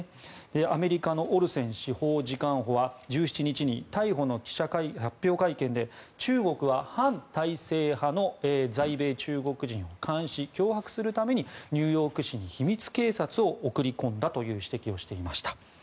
アメリカのオルセン司法次官補は１７日に逮捕の発表会見で中国は反体制派の在米中国人を監視・脅迫するためにニューヨーク市に秘密警察を送り込んだという指摘をしていました。